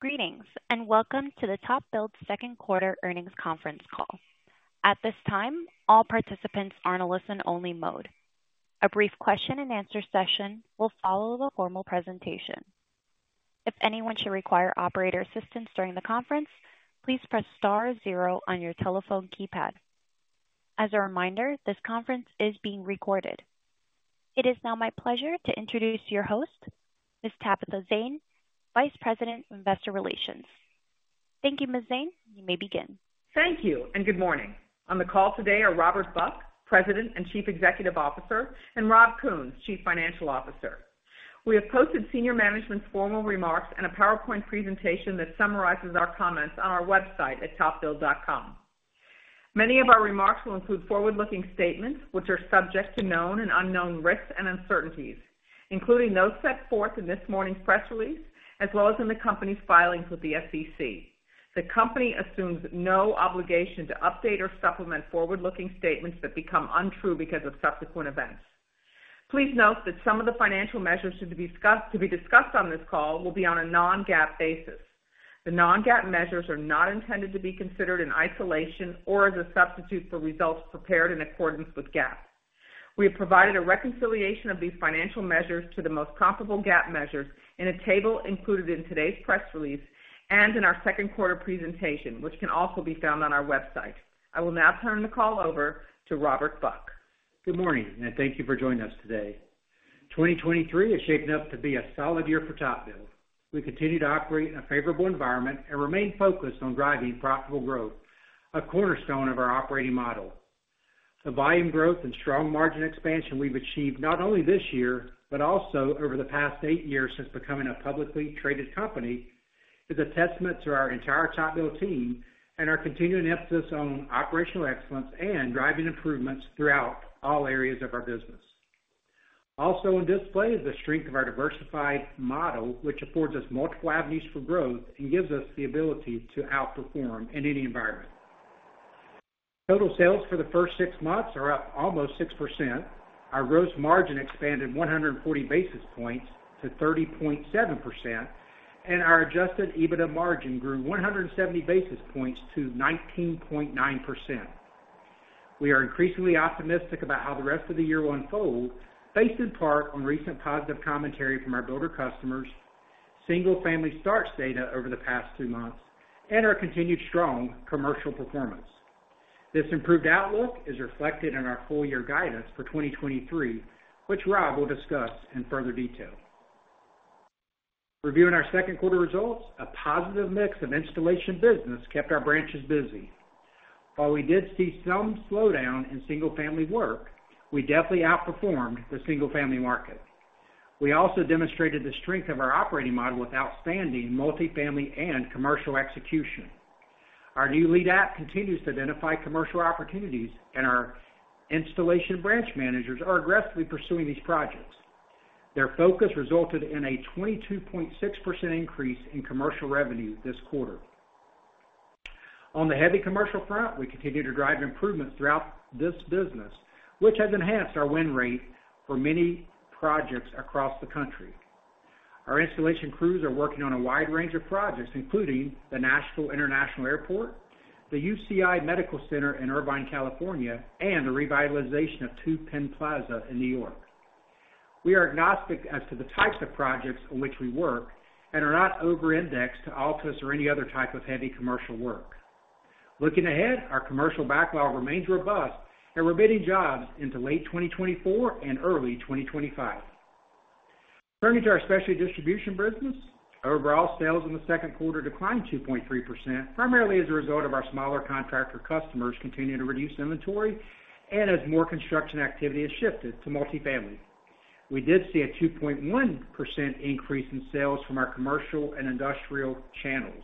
Greetings, welcome to the TopBuild Second Quarter Earnings Conference Call. At this time, all participants are in a listen-only mode. A brief question-and-answer session will follow the formal presentation. If anyone should require operator assistance during the conference, please press star zero on your telephone keypad. As a reminder, this conference is being recorded. It is now my pleasure to introduce your host, Ms. Tabitha Zane, Vice President of Investor Relations. Thank you, Ms. Zane. You may begin. Thank you, good morning. On the call today are Robert Buck, President and Chief Executive Officer, and Rob Kuhns, Chief Financial Officer. We have posted senior management's formal remarks and a PowerPoint presentation that summarizes our comments on our website at topbuild.com. Many of our remarks will include forward-looking statements, which are subject to known and unknown risks and uncertainties, including those set forth in this morning's press release, as well as in the company's filings with the SEC. The company assumes no obligation to update or supplement forward-looking statements that become untrue because of subsequent events. Please note that some of the financial measures to be discussed on this call will be on a non-GAAP basis. The non-GAAP measures are not intended to be considered in isolation or as a substitute for results prepared in accordance with GAAP. We have provided a reconciliation of these financial measures to the most comparable GAAP measures in a table included in today's press release and in our second quarter presentation, which can also be found on our website. I will now turn the call over to Robert Buck. Good morning, thank you for joining us today. 2023 is shaping up to be a solid year for TopBuild. We continue to operate in a favorable environment and remain focused on driving profitable growth, a cornerstone of our operating model. The volume growth and strong margin expansion we've achieved, not only this year, but also over the past eight years since becoming a publicly traded company, is a testament to our entire TopBuild team and our continuing emphasis on operational excellence and driving improvements throughout all areas of our business. Also on display is the strength of our diversified model, which affords us multiple avenues for growth and gives us the ability to outperform in any environment. Total sales for the first six months are up almost 6%. Our gross margin expanded 140 basis points to 30.7%, and our adjusted EBITDA margin grew 170 basis points to 19.9%. We are increasingly optimistic about how the rest of the year will unfold, based in part on recent positive commentary from our builder customers, single-family starts data over the past two months, and our continued strong commercial performance. This improved outlook is reflected in our full-year guidance for 2023, which Rob will discuss in further detail. Reviewing our second quarter results, a positive mix of installation business kept our branches busy. While we did see some slowdown in single-family work, we definitely outperformed the single-family market. We also demonstrated the strength of our operating model with outstanding multifamily and commercial execution. Our new lead app continues to identify commercial opportunities, and our installation branch managers are aggressively pursuing these projects. Their focus resulted in a 22.6% increase in commercial revenue this quarter. On the heavy commercial front, we continue to drive improvements throughout this business, which has enhanced our win rate for many projects across the country. Our installation crews are working on a wide range of projects, including the Nashville International Airport, the UCI Medical Center in Irvine, California, and the revitalization of Two Penn Plaza in New York. We are agnostic as to the types of projects on which we work and are not over-indexed to Altus or any other type of heavy commercial work. Looking ahead, our commercial backlog remains robust, and we're bidding jobs into late 2024 and early 2025. Turning to our Specialty Distribution business, overall sales in the second quarter declined 2.3%, primarily as a result of our smaller contractor customers continuing to reduce inventory and as more construction activity has shifted to multifamily. We did see a 2.1% increase in sales from our commercial and industrial channels.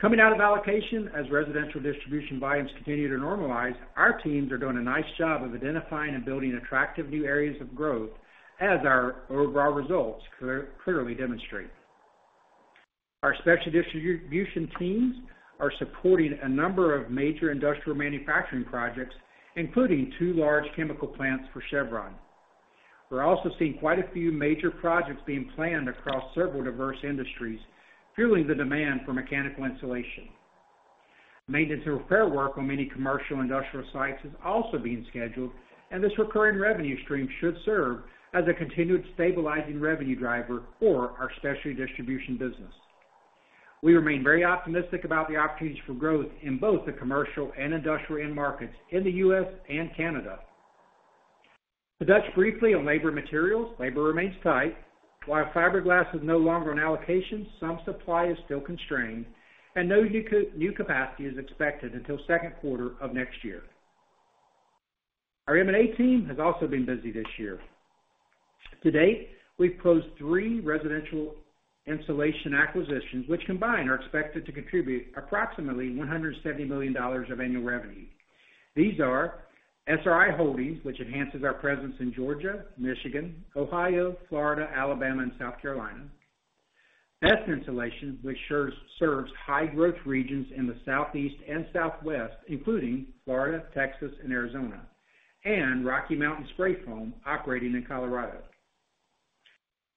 Coming out of allocation, as residential distribution volumes continue to normalize, our teams are doing a nice job of identifying and building attractive new areas of growth, as our overall results clearly demonstrate. Our specialty distribution teams are supporting a number of major industrial manufacturing projects, including two large chemical plants for Chevron. We're also seeing quite a few major projects being planned across several diverse industries, fueling the demand for mechanical insulation. Maintenance and repair work on many commercial industrial sites is also being scheduled. This recurring revenue stream should serve as a continued stabilizing revenue driver for our Specialty Distribution business. We remain very optimistic about the opportunities for growth in both the commercial and industrial end markets in the U.S. and Canada. To touch briefly on labor materials, labor remains tight. While fiberglass is no longer on allocation, some supply is still constrained, and no new capacity is expected until second quarter of next year. Our M&A team has also been busy this year. To date, we've closed three residential insulation acquisitions, which combined are expected to contribute approximately $170 million of annual revenue. These are SRI Holdings, which enhances our presence in Georgia, Michigan, Ohio, Florida, Alabama, and South Carolina. Best Insulation, which serves high-growth regions in the Southeast and Southwest, including Florida, Texas, and Arizona. Rocky Mountain SpRaif Foam operating in Colorado.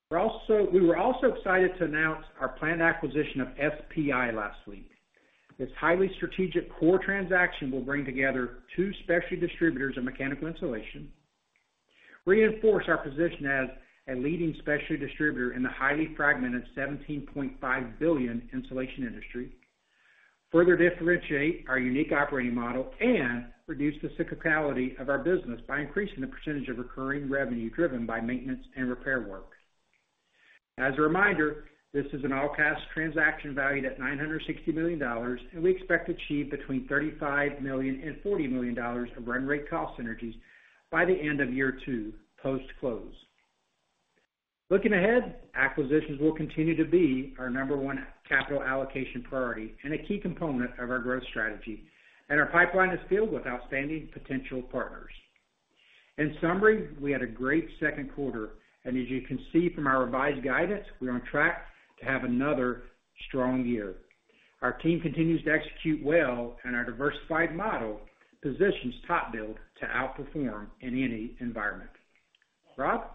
We were also excited to announce our planned acquisition of SPI last week. This highly strategic core transaction will bring together two specialty distributors of mechanical insulation, reinforce our position as a leading specialty distributor in the highly fragmented $17.5 billion insulation industry, further differentiate our unique operating model, and reduce the cyclicality of our business by increasing the percentage of recurring revenue driven by maintenance and repair work. As a reminder, this is an all-cash transaction valued at $960 million, and we expect to achieve between $35 million and $40 million of run rate cost synergies by the end of year 2, post-close. Looking ahead, acquisitions will continue to be our number one capital allocation priority and a key component of our growth strategy. Our pipeline is filled with outstanding potential partners. In summary, we had a great second quarter. As you can see from our revised guidance, we are on track to have another strong year. Our team continues to execute well. Our diversified model positions TopBuild to outperform in any environment. Rob?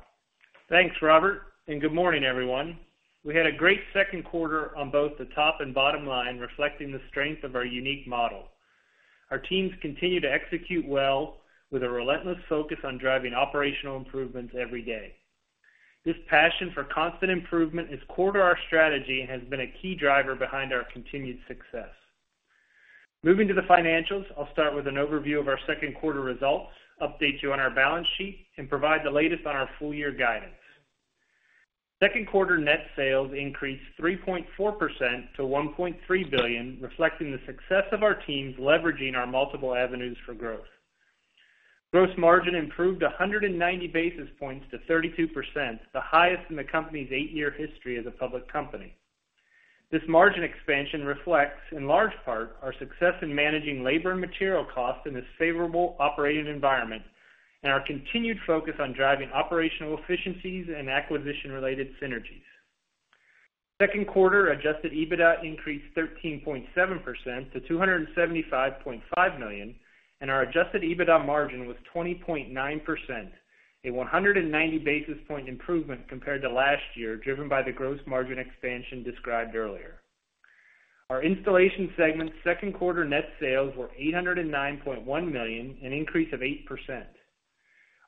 Thanks, Robert. Good morning, everyone. We had a great second quarter on both the top and bottom line, reflecting the strength of our unique model. Our teams continue to execute well with a relentless focus on driving operational improvements every day. This passion for constant improvement is core to our strategy and has been a key driver behind our continued success. Moving to the financials, I'll start with an overview of our second quarter results, update you on our balance sheet, and provide the latest on our full-year guidance. Second quarter net sales increased 3.4% to $1.3 billion, reflecting the success of our teams leveraging our multiple avenues for growth. Gross margin improved 190 basis points to 32%, the highest in the company's eight-year history as a public company. This margin expansion reflects, in large part, our success in managing labor and material costs in this favorable operating environment and our continued focus on driving operational efficiencies and acquisition-related synergies. Second quarter adjusted EBITDA increased 13.7% to $275.5 million. Our adjusted EBITDA margin was 20.9%, a 190 basis point improvement compared to last year, driven by the gross margin expansion described earlier. Our Installation segment's second quarter net sales were $809.1 million, an increase of 8%.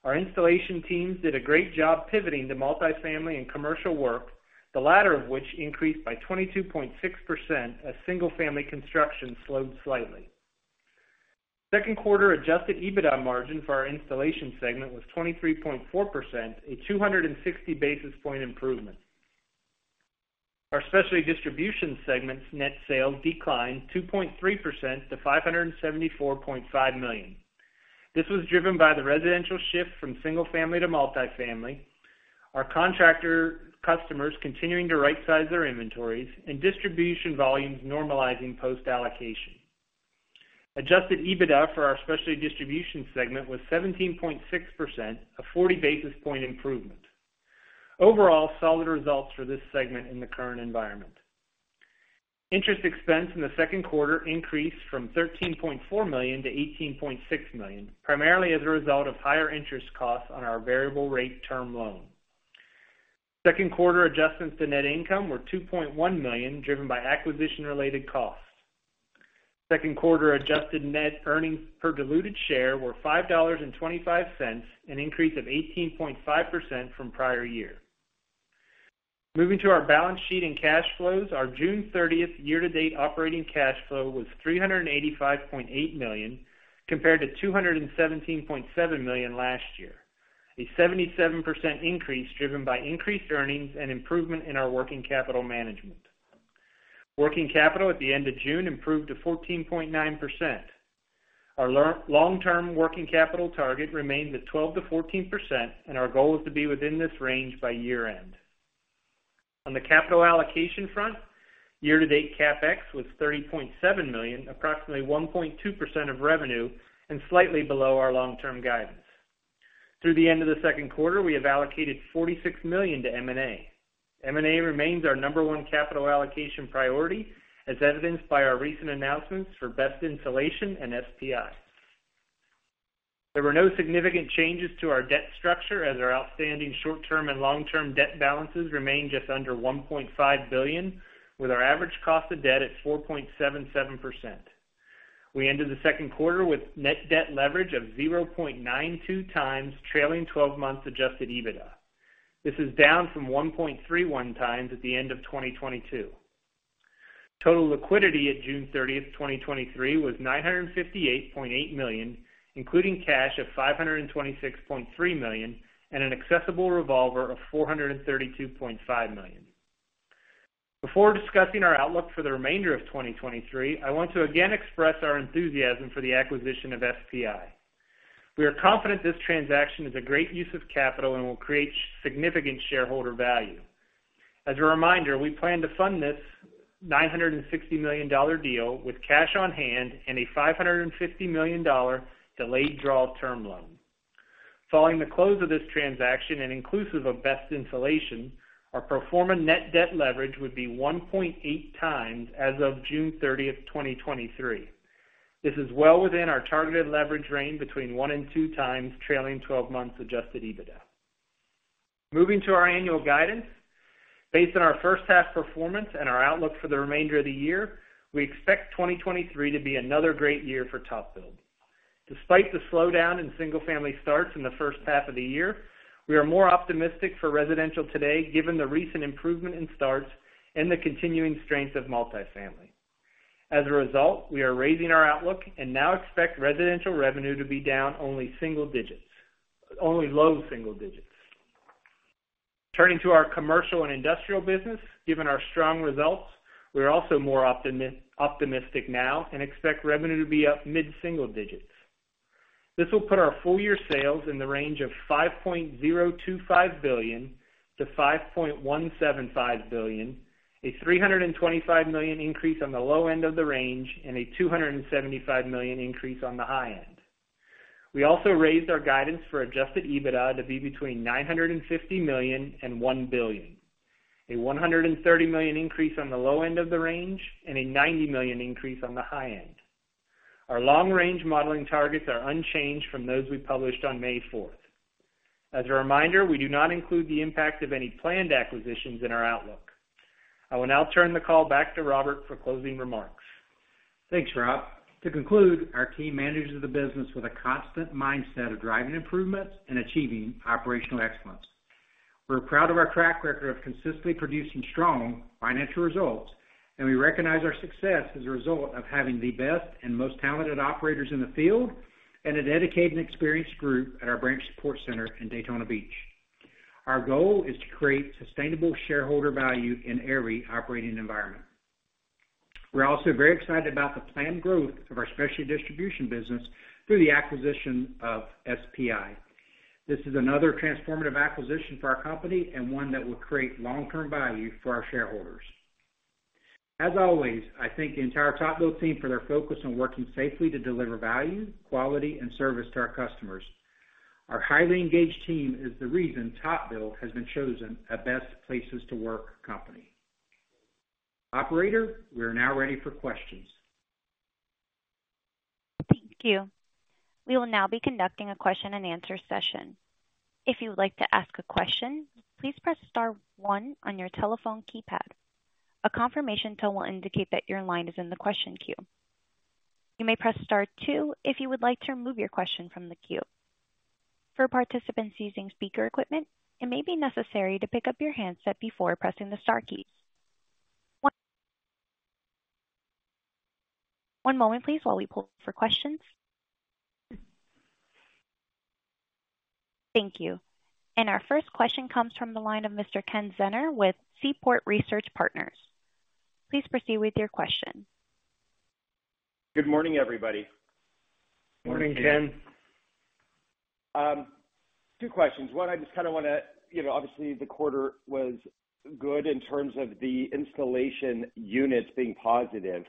Our installation teams did a great job pivoting to multifamily and commercial work, the latter of which increased by 22.6%, as single-family construction slowed slightly. Second quarter adjusted EBITDA margin for our Installation segment was 23.4%, a 260 basis point improvement. Our Specialty Distribution segment's net sales declined 2.3% to $574.5 million. This was driven by the residential shift from single-family to multifamily, our contractor customers continuing to rightsize their inventories, and distribution volumes normalizing post-allocation. Adjusted EBITDA for our Specialty Distribution segment was 17.6%, a 40 basis point improvement. Overall, solid results for this segment in the current environment. Interest expense in the second quarter increased from $13.4 million to $18.6 million, primarily as a result of higher interest costs on our variable-rate term loan. Second quarter adjustments to net income were $2.1 million, driven by acquisition-related costs. Second quarter adjusted net earnings per diluted share were $5.25, an increase of 18.5% from prior year. Moving to our balance sheet and cash flows, our June thirtieth year-to-date operating cash flow was $385.8 million, compared to $217.7 million last year, a 77% increase driven by increased earnings and improvement in our working capital management. Working capital at the end of June improved to 14.9%. Our long-term working capital target remains at 12%-14%, and our goal is to be within this range by year-end. On the capital allocation front, year-to-date CapEx was $30.7 million, approximately 1.2% of revenue, and slightly below our long-term guidance. Through the end of the second quarter, we have allocated $46 million to M&A. M&A remains our number one capital allocation priority, as evidenced by our recent announcements for Best Insulation and SPI. There were no significant changes to our debt structure, as our outstanding short-term and long-term debt balances remain just under $1.5 billion, with our average cost of debt at 4.77%. We ended the second quarter with net debt leverage of 0.92 times trailing twelve months adjusted EBITDA. This is down from 1.31 times at the end of 2022. Total liquidity at June 30th, 2023, was $958.8 million, including cash of $526.3 million, and an accessible revolver of $432.5 million. Before discussing our outlook for the remainder of 2023, I want to again express our enthusiasm for the acquisition of SPI. We are confident this transaction is a great use of capital and will create significant shareholder value. As a reminder, we plan to fund this $960 million deal with cash on hand and a $550 million delayed draw term loan. Following the close of this transaction and inclusive of Best Insulation, our pro forma net debt leverage would be 1.8 times as of 30th June 2023. This is well within our targeted leverage range between one and two times trailing 12 months adjusted EBITDA. Moving to our annual guidance. Based on our first half performance and our outlook for the remainder of the year, we expect 2023 to be another great year for TopBuild. Despite the slowdown in single-family starts in the first half of the year, we are more optimistic for residential today, given the recent improvement in starts and the continuing strength of multifamily. As a result, we are raising our outlook and now expect residential revenue to be down only single digits, only low single digits. Turning to our commercial and industrial business, given our strong results, we are also more optimistic now and expect revenue to be up mid-single digits. This will put our full-year sales in the range of $5.025 billion to $5.175 billion, a $325 million increase on the low end of the range and a $275 million increase on the high end. We also raised our guidance for adjusted EBITDA to be between $950 million and $1 billion, a $130 million increase on the low end of the range and a $90 million increase on the high end. Our long-range modeling targets are unchanged from those we published on May fourth. As a reminder, we do not include the impact of any planned acquisitions in our outlook. I will now turn the call back to Robert for closing remarks. Thanks, Rob. To conclude, our team manages the business with a constant mindset of driving improvements and achieving operational excellence. We're proud of our track record of consistently producing strong financial results. We recognize our success as a result of having the best and most talented operators in the field and a dedicated and experienced group at our branch support center in Daytona Beach. Our goal is to create sustainable shareholder value in every operating environment. We're also very excited about the planned growth of our Specialty Distribution business through the acquisition of SPI. This is another transformative acquisition for our company and one that will create long-term value for our shareholders. As always, I thank the entire TopBuild team for their focus on working safely to deliver value, quality, and service to our customers. Our highly engaged team is the reason TopBuild has been chosen a Best Places to Work company. Operator, we are now ready for questions. Thank you. We will now be conducting a question-and-answer session. If you would like to ask a question, please press star one on your telephone keypad. A confirmation tone will indicate that your line is in the question queue. You may press star two if you would like to remove your question from the queue. For participants using speaker equipment, it may be necessary to pick up your handset before pressing the star keys. One moment, please, while we pull for questions. Thank you. Our first question comes from the line of Mr. Ken Zener with Seaport Research Partners. Please proceed with your question. Good morning, everybody. Morning, Ken. Morning. Two questions. One, I just kind of wanna, you know, obviously, the quarter was good in terms of the installation units being positive.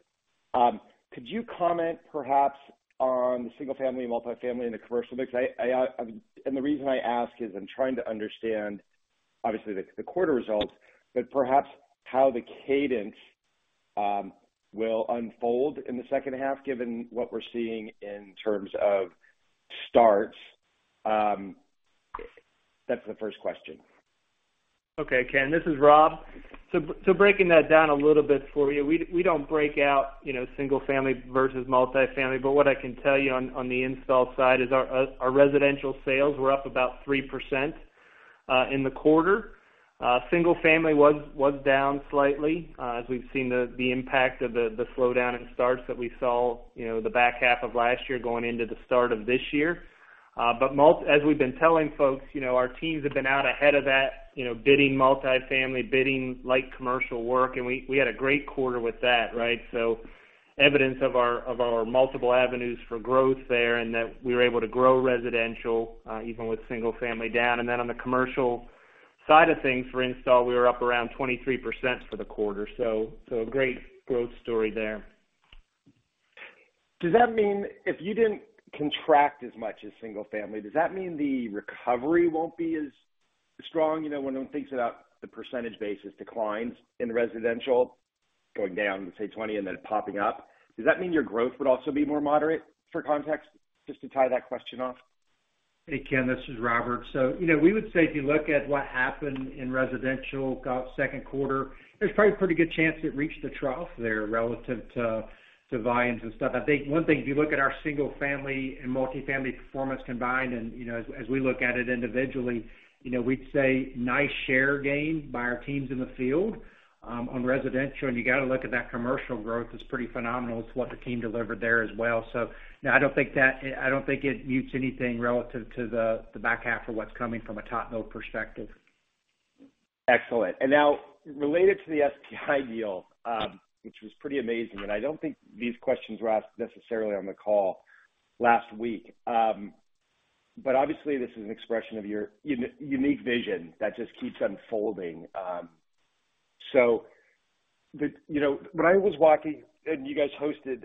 Could you comment perhaps on the single-family, multifamily, and the commercial mix? I and the reason I ask is I'm trying to understand, obviously the quarter results, but perhaps how the cadence will unfold in the second half, given what we're seeing in terms of starts. That's the first question. Okay, Ken, this is Rob. Breaking that down a little bit for you, we don't break out, you know, single family versus multifamily, but what I can tell you on the install side is our residential sales were up about 3% in the quarter. Single family was down slightly as we've seen the impact of the slowdown in starts that we saw, you know, the back half of last year going into the start of this year. As we've been telling folks, you know, our teams have been out ahead of that, you know, bidding multifamily, bidding light commercial work, and we had a great quarter with that, right? Evidence of our multiple avenues for growth there and that we were able to grow residential, even with single-family down. On the commercial side of things, for install, we were up around 23% for the quarter, a great growth story there. Does that mean if you didn't contract as much as single-family, does that mean the recovery won't be as strong? You know, when one thinks about the % basis declines in residential going down, let's say 20, and then popping up, does that mean your growth would also be more moderate for context, just to tie that question off? Hey, Ken, this is Robert. You know, we would say, if you look at what happened in residential about second quarter, there's probably a pretty good chance it reached a trough there relative to, to volumes and stuff. I think one thing, if you look at our single-family and multifamily performance combined, and, you know, as, as we look at it individually, you know, we'd say nice share gain by our teams in the field on residential, and you got to look at that commercial growth is pretty phenomenal. It's what the team delivered there as well. You know, I don't think it mutes anything relative to the, the back half of what's coming from a TopBuild perspective. Excellent. Now, related to the SPI deal, which was pretty amazing, and I don't think these questions were asked necessarily on the call last week. Obviously, this is an expression of your uni-unique vision that just keeps unfolding. The, you know, when I was walking and you guys hosted,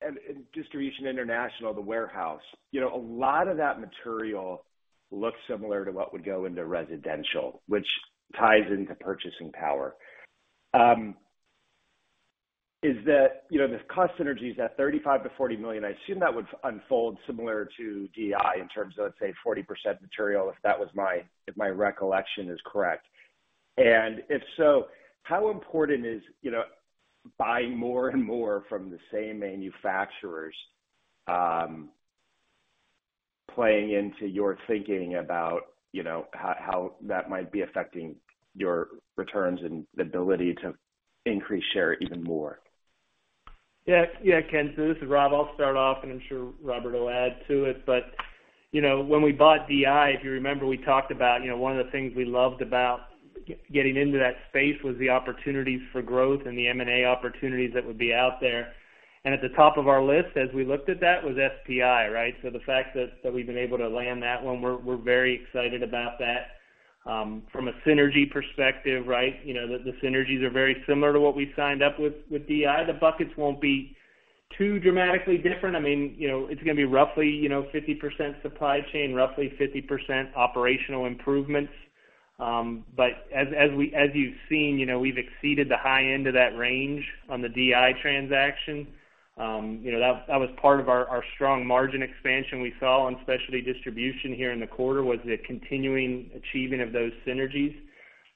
and, and Distribution International, the warehouse, you know, a lot of that material looks similar to what would go into residential, which ties into purchasing power. Is that, you know, the cost synergies at $35 million to $40 million, I assume that would unfold similar to DI in terms of, let's say, 40% material, if that was my recollection is correct. If so, how important is, you know, buying more and more from the same manufacturers, playing into your thinking about, you know how that might be affecting your returns and the ability to increase share even more? Yeah, yeah, Ken, so this is Rob. I'll start off, and I'm sure Robert will add to it. You know, when we bought DI, if you remember, we talked about, you know, one of the things we loved about getting into that space was the opportunities for growth and the M&A opportunities that would be out there. At the top of our list, as we looked at that, was SPI, right? The fact that we've been able to land that one, we're very excited about that. From a synergy perspective, right, you know, the synergies are very similar to what we signed up with DI. The buckets won't be too dramatically different. I mean, you know, it's going to be roughly, you know, 50% supply chain, roughly 50% operational improvements. As, as you've seen, you know, we've exceeded the high end of that range on the DI transaction. You know, that, that was part of our, our strong margin expansion we saw on specialty distribution here in the quarter, was the continuing achieving of those synergies.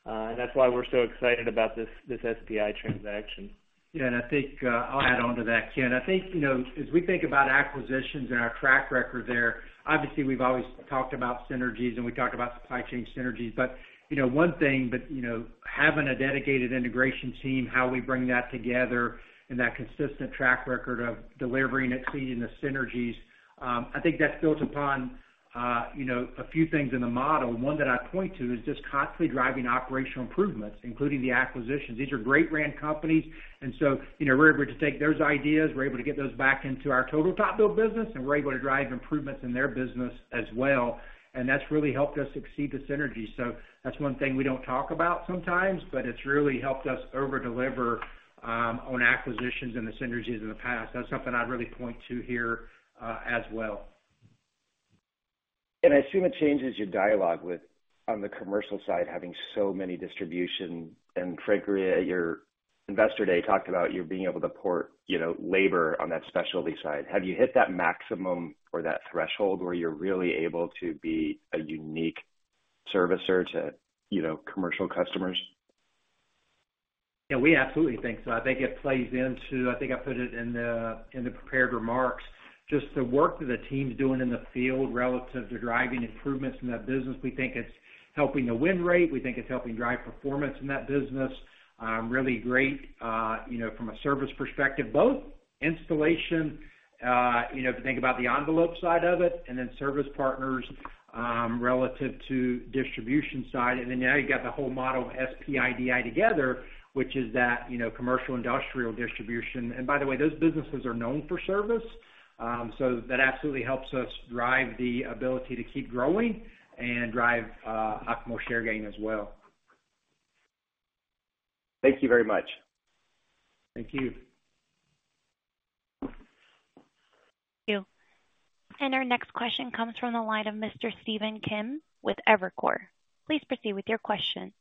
That's why we're so excited about this, this SPI transaction. Yeah, I think I'll add on to that, Ken. I think, you know, as we think about acquisitions and our track record there, obviously, we've always talked about synergies, and we talked about supply chain synergies. One thing, but, you know, having a dedicated integration team, how we bring that together and that consistent track record of delivering it, seeing the synergies, I think that's built upon, you know, a few things in the model. One that I point to is just constantly driving operational improvements, including the acquisitions. These are great brand companies, so, you know, we're able to take those ideas, we're able to get those back into our total TopBuild business, and we're able to drive improvements in their business as well. That's really helped us exceed the synergy. That's one thing we don't talk about sometimes, but it's really helped us over-deliver, on acquisitions and the synergies in the past. That's something I'd really point to here, as well. I assume it changes your dialogue with, on the commercial side, having so many distribution. Craig, at your Investor Day, talked about you being able to port, you know, labor on that specialty side. Have you hit that maximum or that threshold where you're really able to be a unique servicer to, you know, commercial customers? Yeah, we absolutely think so. I think it plays into, I think I put it in the prepared remarks, just the work that the team's doing in the field relative to driving improvements in that business. We think it's helping the win rate. We think it's helping drive performance in that business. Really great, you know, from a service perspective, both installation, you know, if you think about the envelope side of it, and then service partners, relative to distribution side. Now you've got the whole model of SPI DI together, which is that, you know, commercial industrial distribution. By the way, those businesses are known for service, so that absolutely helps us drive the ability to keep growing and drive optimal share gain as well. Thank you very much. Thank you. Thank you. Our next question comes from the line of Mr. Stephen Kim with Evercore. Please proceed with your question.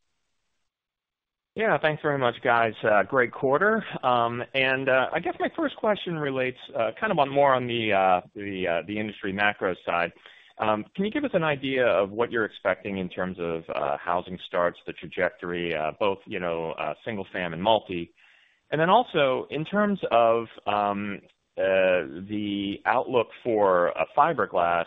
Yeah, thanks very much, guys. great quarter. I guess my first question relates kind of on more on the the industry macro side. Can you give us an idea of what you're expecting in terms of housing starts, the trajectory, both, you know, single-family and multifamily? Then also in terms of the outlook for a fiberglass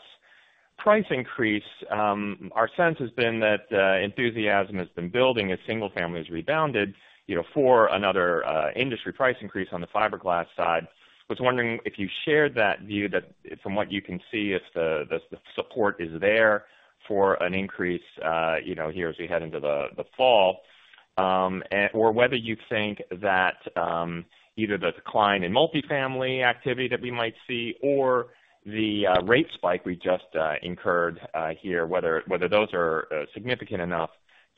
price increase, our sense has been that enthusiasm has been building as single-family has rebounded, you know, for another industry price increase on the fiberglass side. I was wondering if you shared that view, that from what you can see, if the the support is there for an increase, you know, here as we head into the the fall? whether you think that, either the decline in multifamily activity that we might see or the rate spike we just incurred here, whether, whether those are significant enough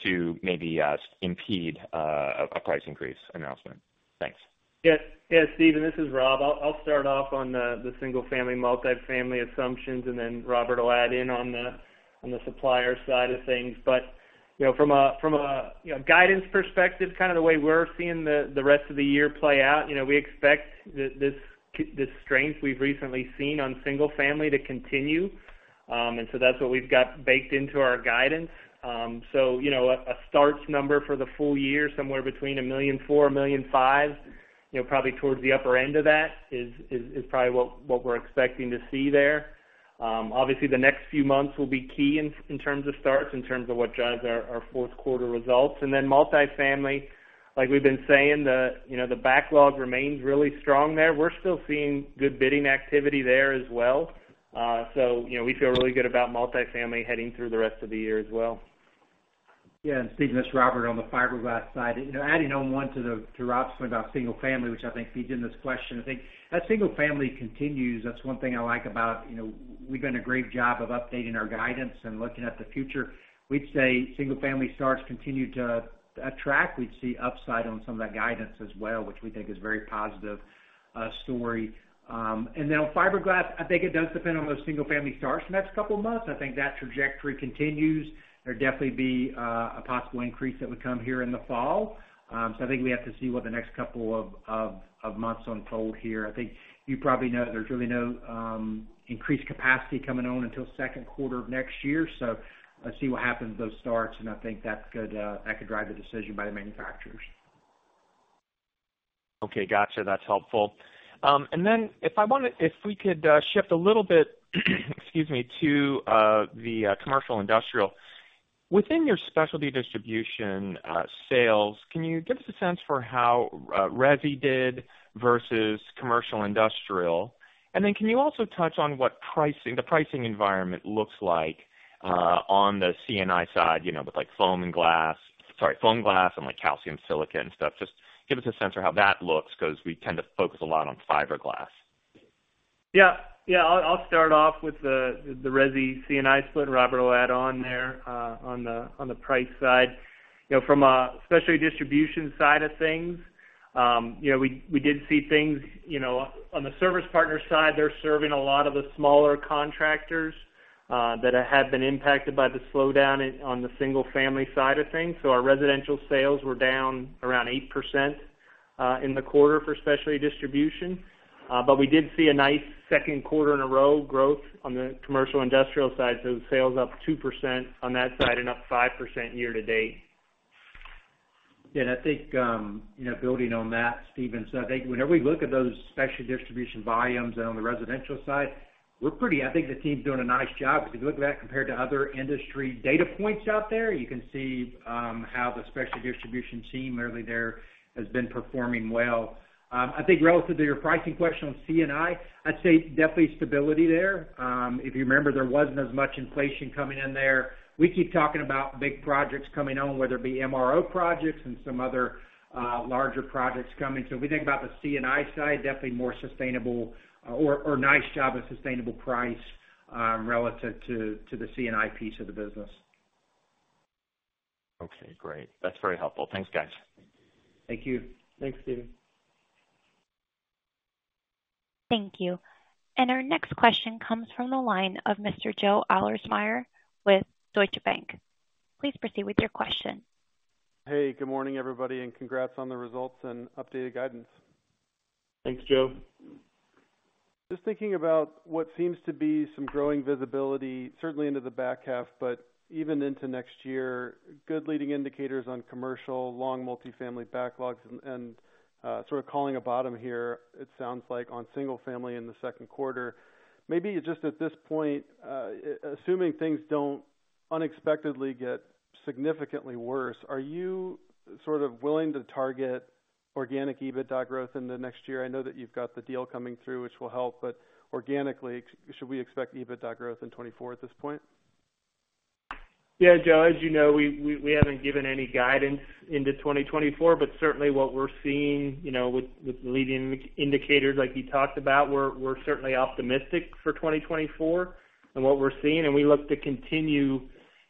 to maybe impede a price increase announcement? Thanks. Yeah. Yeah, Stephen, this is Rob. I'll start off on the, the single-family, multifamily assumptions, and then Robert will add in on the supplier side of things. You know, from a, from a, you know, guidance perspective, kind of the way we're seeing the, the rest of the year play out, you know, we expect the this strength we've recently seen on single-family to continue. That's what we've got baked into our guidance. You know a starts number for the full year, somewhere between 1.4 million to 1.5 million, you know, probably towards the upper end of that is probably what we're expecting to see there. Obviously, the next few months will be key in terms of starts, in terms of what drives our, our fourth quarter results. Multifamily, like we've been saying, you know, the backlog remains really strong there. We're still seeing good bidding activity there as well. You know, we feel really good about multifamily heading through the rest of the year as well. Yeah, Steve, this is Robert on the fiberglass side. You know, adding on to Rob's point about single-family, which I think feeds into this question. I think as single-family continues, that's one thing I like about, you know, we've done a great job of updating our guidance and looking at the future. We'd say single-family starts continue to attract. We'd see upside on some of that guidance as well, which we think is very positive story. Then on fiberglass, I think it does depend on those single-family starts the next couple of months. I think that trajectory continues. There'd definitely be a possible increase that would come here in the fall. I think we have to see what the next couple of months unfold here. I think you probably know there's really no increased capacity coming on until second quarter of 2024. Let's see what happens with those starts, and I think that could that could drive the decision by the manufacturers. at's helpful. Then if we could shift a little bit, excuse me, to the commercial industrial. Within your Specialty Distribution sales, can you give us a sense for how resi did versus commercial industrial? Then can you also touch on what pricing the pricing environment looks like on the C&I side, you know, with like foam and glass? Sorry, foam glass and like calcium silicate and stuff. Just give us a sense for how that looks, 'cause we tend to focus a lot on fiberglass. Yeah. Yeah, I'll start off with the resi C&I split, and Robert will add on there on the price side. You know, from a specialty distribution side of things, you know, we did see things, you know, on the service partner side, they're serving a lot of the smaller contractors that have been impacted by the slowdown on the single-family side of things. Our residential sales were down around 8% in the quarter for specialty distribution. We did see a nice second quarter in a row growth on the commercial industrial side, sales up 2% on that side and up 5% year to date. I think, you know, building on that, Stephen said, I think whenever we look at those specialty distribution volumes and on the residential side, we're pretty I think the team's doing a nice job. If you look at that compared to other industry data points out there, you can see, how the Specialty Distribution team early there has been performing well. I think relative to your pricing question on C&I, I'd say definitely stability there. If you remember, there wasn't as much inflation coming in there. We keep talking about big projects coming on, whether it be MRO projects and some other, larger projects coming. If we think about the C&I side, definitely more sustainable, or nice job of sustainable price, relative to, to the C&I piece of the business. Okay, great. That's very helpful. Thanks, guys. Thank you. Thanks, Stephen. Thank you. Our next question comes from the line of Mr. Joe Ahlersmeyer with Deutsche Bank. Please proceed with your question. Hey, good morning, everybody, and congrats on the results and updated guidance. Thanks, Joe. Just thinking about what seems to be some growing visibility, certainly into the back half, but even into next year, good leading indicators on commercial, long multifamily backlogs and, and sort of calling a bottom here, it sounds like on single-family in the second quarter. Maybe just at this point, assuming things don't unexpectedly get significantly worse, are you sort of willing to target organic EBITDA growth in the next year? I know that you've got the deal coming through, which will help, but organically, should we expect EBITDA growth in 2024 at this point? Yeah, Joe, as you know, we haven't given any guidance into 2024, but certainly what we're seeing, you know, with leading indicators like you talked about, we're certainly optimistic for 2024 and what we're seeing, and we look to continue,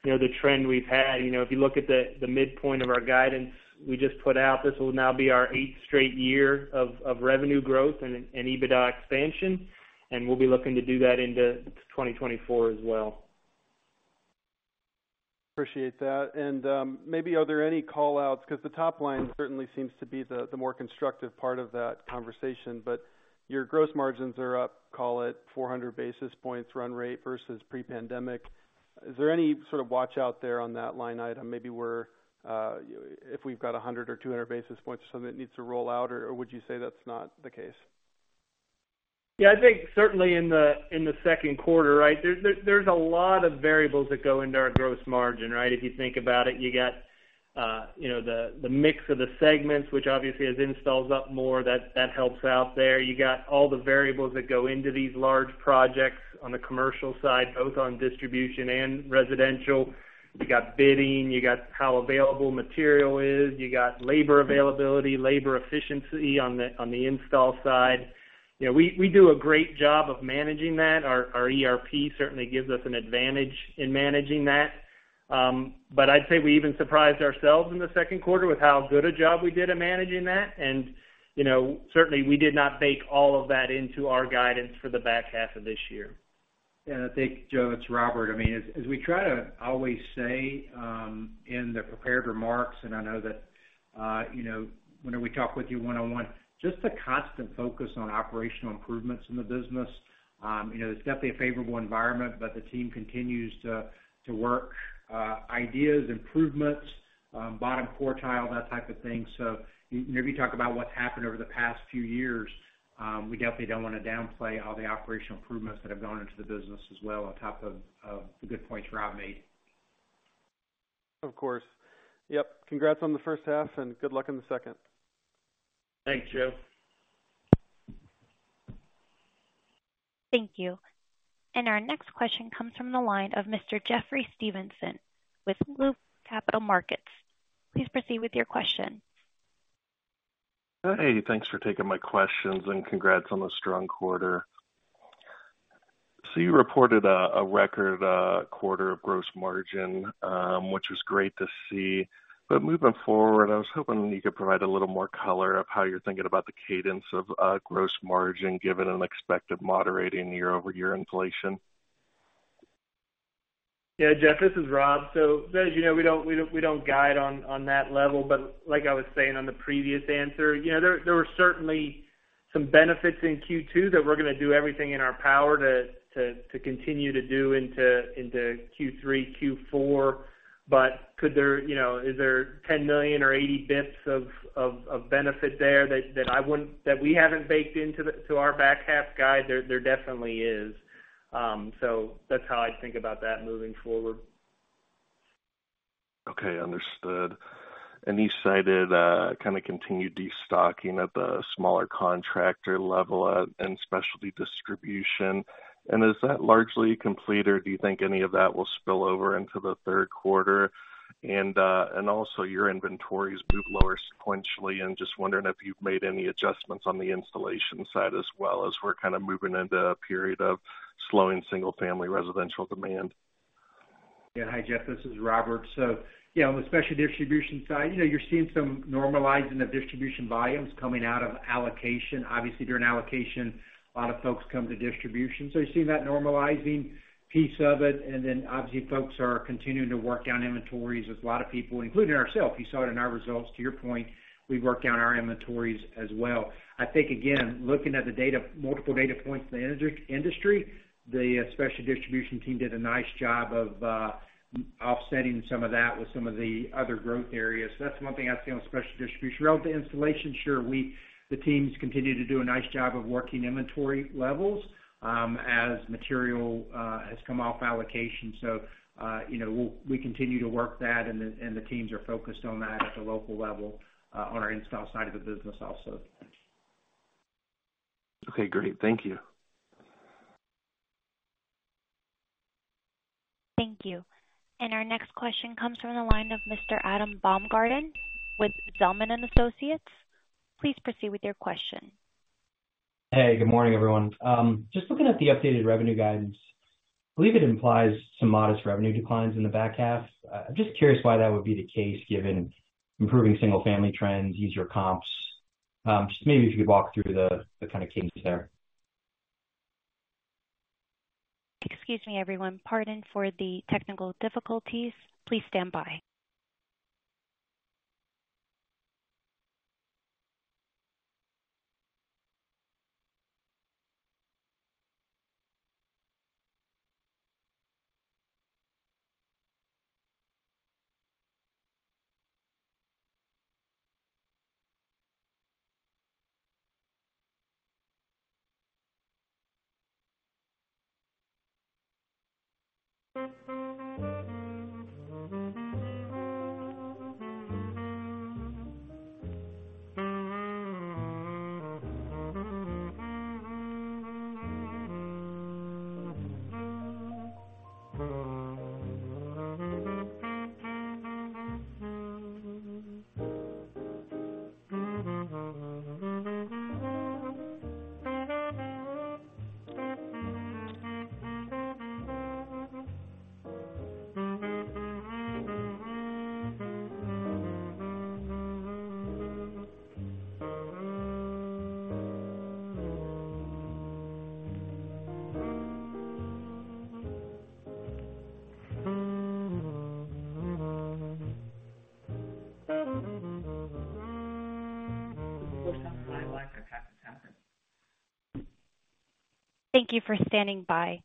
you know, the trend we've had. You know, if you look at the midpoint of our guidance we just put out, this will now be our eighth straight year of revenue growth and EBITDA expansion, and we'll be looking to do that into 2024 as well. Appreciate that. Maybe are there any call-outs? Because the top line certainly seems to be the, the more constructive part of that conversation, but your gross margins are up, call it 400 basis points, run rate versus pre-pandemic. Is there any sort of watch out there on that line item? Maybe we're, if we've got 100 or 200 basis points or something that needs to roll out, or would you say that's not the case? Yeah, I think certainly in the second quarter, right? There's a lot of variables that go into our gross margin, right? If you think about it, you got, you know, the mix of the segments, which obviously has installs up more, that helps out there. You got all the variables that go into these large projects on the commercial side, both on distribution and residential. You got bidding, you got how available material is, you got labor availability, labor efficiency on the install side. You know, we do a great job of managing that. Our ERP certainly gives us an advantage in managing that. I'd say we even surprised ourselves in the second quarter with how good a job we did at managing that. You know, certainly we did not bake all of that into our guidance for the back half of this year. I think, Joe, it's Robert. I mean, as, as we try to always say, in the prepared remarks, and I know that, you know, whenever we talk with you one-on-one, just the constant focus on operational improvements in the business. You know, it's definitely a favorable environment, but the team continues to, to work, ideas, improvements, bottom quartile, that type of thing. If you talk about what's happened over the past few years, we definitely don't want to downplay all the operational improvements that have gone into the business as well, on top of, of the good points Rob made. Of course. Yep. Congrats on the first half. Good luck in the second. Thanks, Joe. Thank you. Our next question comes from the line of Mr. Jeffrey Stevenson with Loop Capital Markets. Please proceed with your question. Thanks for taking my questions. Congrats on the strong quarter. You reported a record quarter of gross margin, which was great to see. Moving forward, I was hoping you could provide a little more color of how you're thinking about the cadence of gross margin, given an expected moderating year-over-year inflation. Yeah, Jeff, this is Rob. As you know we don't guide on that level, but like I was saying on the previous answer, you know, there, there were certainly some benefits in Q2 that we're going to do everything in our power to continue to do into, into Q3, Q4. Could there, you know, is there $10 million or 80 bits of benefit there that we haven't baked into the, to our back half guide? There, there definitely is. That's how I think about that moving forward. Okay, understood. You cited, kind of continued destocking at the smaller contractor level, and specialty distribution. Is that largely complete, or do you think any of that will spill over into the third quarter? Also your inventories moved lower sequentially, and just wondering if you've made any adjustments on the installation side as well as we're kind of moving into a period of slowing single-family residential demand. Yeah. Hi, Jeff, this is Robert. You know, on the Specialty Distribution side, you know, you're seeing some normalizing of distribution volumes coming out of allocation. Obviously, during allocation, a lot of folks come to distribution, you're seeing that normalizing piece of it. Then, obviously, folks are continuing to work down inventories as a lot of people, including ourselves, you saw it in our results. To your point, we worked down our inventories as well. I think, again, looking at the data multiple data points in the industry, the Specialty Distribution team did a nice job of offsetting some of that with some of the other growth areas. That's one thing I'd say on the Specialty Distribution. Relative to Installation, sure, the teams continue to do a nice job of working inventory levels as material has come off allocation. You know, we continue to work that, and the teams are focused on that at the local level, on our install side of the business also. Okay, great. Thank you. Thank you. Our next question comes from the line of Mr. Adam Baumgarten with Zelman and Associates. Please proceed with your question. Hey, good morning, everyone. Just looking at the updated revenue guidance, I believe it implies some modest revenue declines in the back half. I'm just curious why that would be the case, given improving single-family trends, easier comps? Just maybe if you could walk through the kind of changes there. Excuse me, everyone. Pardon for the technical difficulties. Please stand by. Thank you for standing by.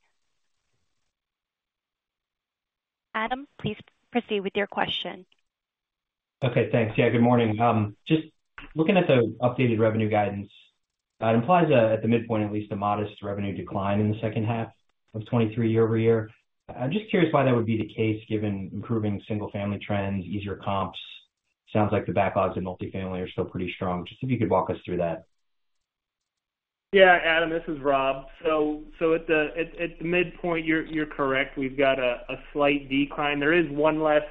Adam, please proceed with your question. Okay, thanks. Yeah, good morning. Just looking at the updated revenue guidance, it implies, at the midpoint, at least, a modest revenue decline in the second half of 2023 year-over-year. I'm just curious why that would be the case, given improving single-family trends, easier comps? Sounds like the backlogs in multifamily are still pretty strong. Just if you could walk us through that? Yeah, Adam, this is Rob. At the midpoint, you're correct. We've got a slight decline. There is one less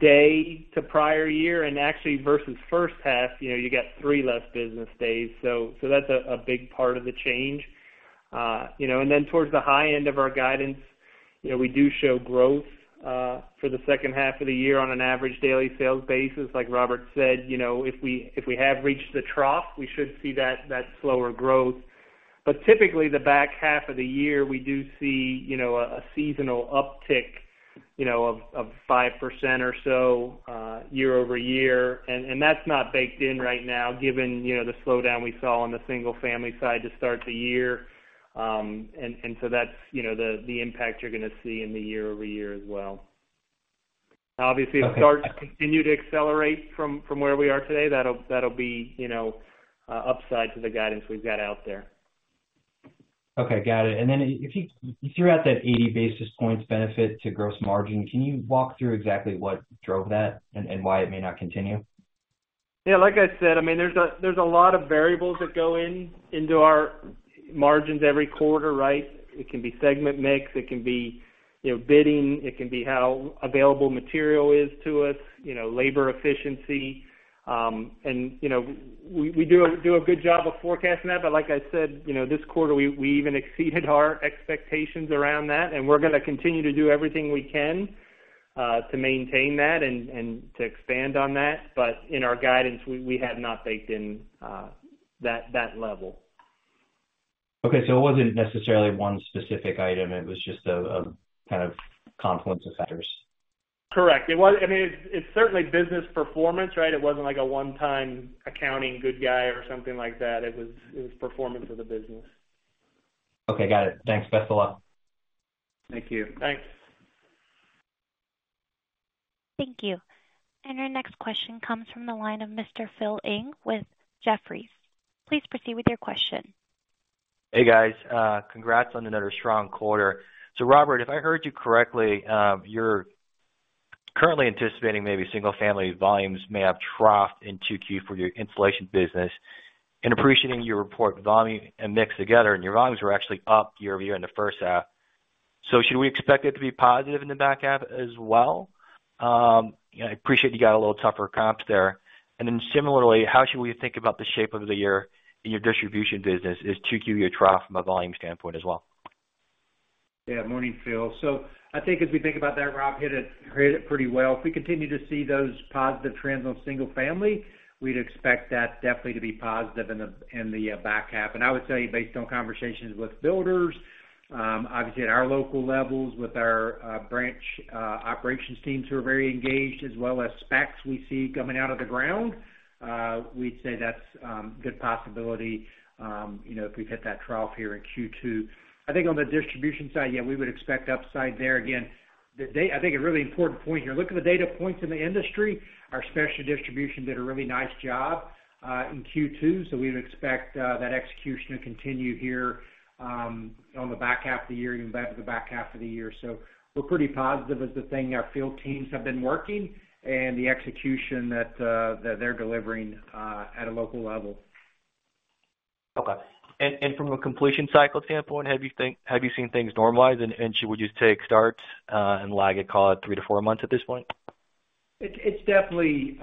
day to prior year, and actually, versus first half, you know, you got three less business days. That's a big part of the change. You know, and then towards the high end of our guidance, you know, we do show growth for the second half of the year on an average daily sales basis. Like Robert said, you know, if we, if we have reached the trough, we should see that, that slower growth. Typically, the back half of the year, we do see, you know, a seasonal uptick, you know, of 5% or so, year-over-year. That's not baked in right now, given, you know, the slowdown we saw on the single-family side to start the year. That's, you know, the, the impact you're going to see in the year-over-year as well. Obviously, if starts continue to accelerate from, from where we are today that'll be, you know, upside to the guidance we've got out there. Okay, got it. Then if you threw out that 80 basis points benefit to gross margin, can you walk through exactly what drove that and why it may not continue? Yeah, like I said, I mean, there's a lot of variables that go in into our margins every quarter, right? It can be segment mix, it can be, you know, bidding, it can be how available material is to us, you know, labor efficiency. You know, we, we do a good job of forecasting that. Like I said, you know, this quarter, we, we even exceeded our expectations around that, and we're going to continue to do everything we can to maintain that and, and to expand on that. In our guidance, we, we have not baked in that, that level. Okay. It wasn't necessarily one specific item. It was just a kind of confluence of factors? Correct. I mean, it's, it's certainly business performance, right? It wasn't like a one-time accounting good guy or something like that. It was, it was performance of the business. Okay, got it. Thanks. Best of luck. Thank you. Thanks. Thank you. Our next question comes from the line of Mr. Phil Ng with Jefferies. Please proceed with your question. Hey, guys. Congrats on another strong quarter. Robert, if I heard you correctly, you're currently anticipating maybe single-family volumes may have troughed in 2Q for your installation business. Appreciating your report, volume and mix together, your volumes were actually up year-over-year in the first half. Should we expect it to be positive in the back half as well? I appreciate you got a little tougher comps there. Similarly, how should we think about the shape of the year in your distribution business? Is 2Q a trough from a volume standpoint as well? Yeah. Morning, Phil. I think as we think about that, Rob hit it, hit it pretty well. If we continue to see those positive trends on single-family, we'd expect that definitely to be positive in the back half. I would say based on conversations with builders, obviously, at our local levels, with our branch operations teams who are very engaged, as well as specs we see coming out of the ground, we'd say that's a good possibility, you know, if we hit that trough here in Q2. I think on the distribution side, yeah, we would expect upside there. I think a really important point here, looking at the data points in the industry, our Specialty Distribution did a really nice job in Q2, so we'd expect that execution to continue here on the back half of the year, even back to the back half of the year. We're pretty positive as the thing our field teams have been working and the execution that they're delivering at a local level. Okay. From a completion cycle standpoint, have you seen things normalize? Would you take starts and lag it, call it three to four months at this point? It's, it's definitely,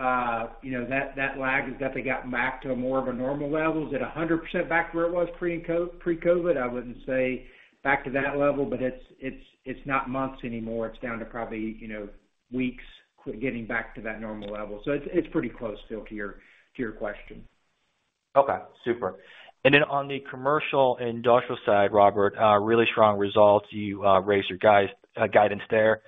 you know, that, that lag has definitely gotten back to a more of a normal level. Is it 100% back to where it was pre-COVID? I wouldn't say back to that level, but it's, it's, it's not months anymore. It's down to probably, you know, weeks getting back to that normal level. It's, it's pretty close, Phil, to your, to your question. Okay, super. Then on the commercial industrial side, Robert, really strong results. You raised your guys guidance there.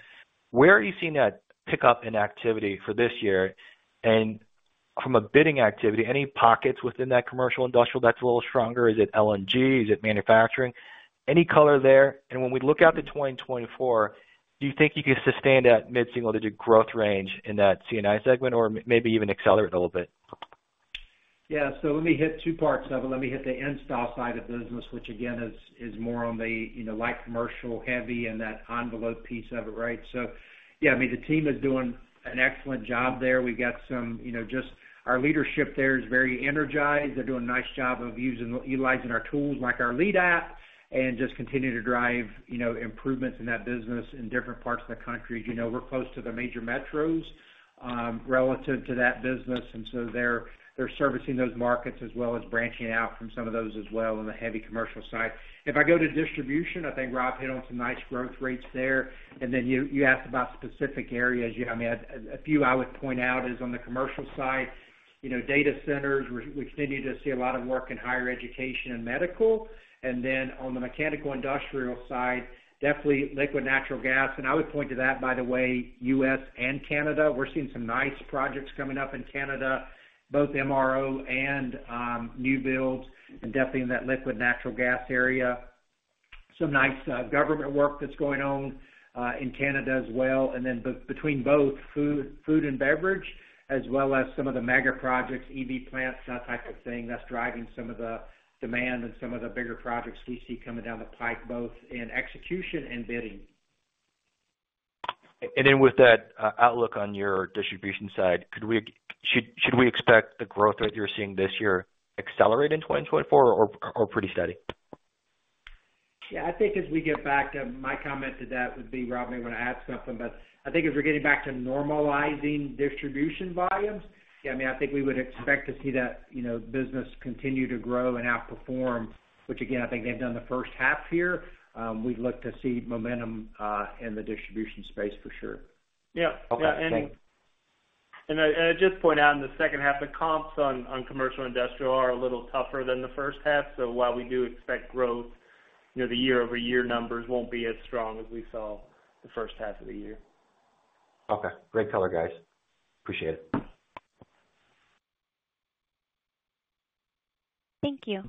Where are you seeing that pickup in activity for this year? From a bidding activity, any pockets within that commercial industrial that's a little stronger? Is it LNG? Is it manufacturing? Any color there? When we look out to 2024, do you think you can sustain that mid-single-digit growth range in that C&I segment or maybe even accelerate a little bit? Yeah. Let me hit two parts of it. Let me hit the install side of the business, which again, is, is more on the, you know, light commercial, heavy, and that envelope piece of it, right? Yeah, I mean, the team is doing an excellent job there. We got some, you know, just our leadership there is very energized. They're doing a nice job of utilizing our tools, like our lead app, and just continue to drive, you know, improvements in that business in different parts of the country. As you know, we're close to the major metros relative to that business, and so they're, they're servicing those markets as well as branching out from some of those as well in the heavy commercial side. If I go to distribution, I think Rob hit on some nice growth rates there. Then you, you asked about specific areas. Yeah, I mean, a few I would point out is on the commercial side, you know, data centers, we continue to see a lot of work in higher education and medical. Then on the mechanical industrial side, definitely liquid natural gas. I would point to that, by the way, U.S. and Canada. We're seeing some nice projects coming up in Canada, both MRO and new builds, and definitely in that liquid natural gas area. Some nice government work that's going on in Canada as well. Then between both food, food and beverage, as well as some of the mega projects, EV plants, that type of thing, that's driving some of the demand and some of the bigger projects we see coming down the pike, both in execution and bidding. With that, outlook on your distribution side, should we expect the growth rate you're seeing this year accelerate in 2024 or pretty steady? Yeah, I think as we get back to my comment to that would be, Rob, may want to add something, but I think as we're getting back to normalizing distribution volumes, yeah, I mean, I think we would expect to see that, you know, business continue to grow and outperform, which again, I think they've done the first half here. We'd look to see momentum in the distribution space for sure. Yeah. Okay, thanks. I just point out in the second half, the comps on Commercial Industrial are a little tougher than the first half. While we do expect growth, you know, the year-over-year numbers won't be as strong as we saw the first half of the year. Okay. Great color, guys. Appreciate it. Thank you.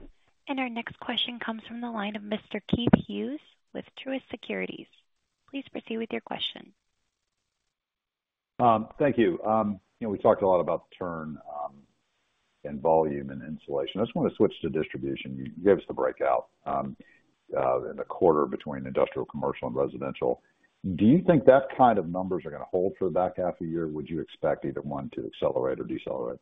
Our next question comes from the line of Mr. Keith Hughes with Truist Securities. Please proceed with your question. Thank you. You know, we talked a lot about turn, and volume and insulation. I just want to switch to distribution. You gave us the breakout in the quarter between industrial, commercial, and residential. Do you think that kind of numbers are going to hold for the back half of the year, or would you expect either one to accelerate or decelerate?